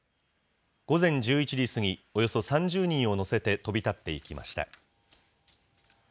午前１１時過ぎ、およそ３０人を乗せて飛び立っていきました。